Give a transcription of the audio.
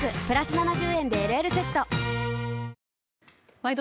「ワイド！